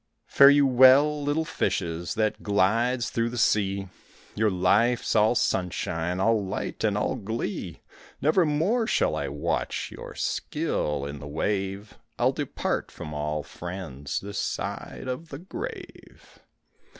Fare you well, little fishes, That glides through the sea, Your life's all sunshine, All light, and all glee; Nevermore shall I watch Your skill in the wave, I'll depart from all friends This side of the grave.